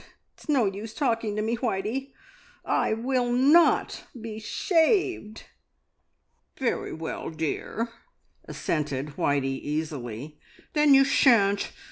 It's no use talking to me, Whitey; I will not be shaved!" "Very well, dear," assented Whitey easily. "Then you shan't.